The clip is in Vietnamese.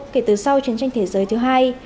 kể từ sau trấn tranh thế giới thứ hai